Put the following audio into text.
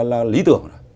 là lý tưởng